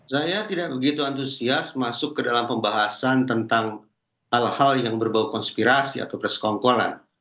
saya tidak begitu antusias masuk ke dalam pembahasan tentang hal hal yang berbau konspirasi atau persekongkolan